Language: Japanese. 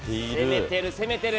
攻めてる攻めてる。